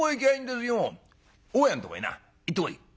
「大家んとこへな行ってこい」。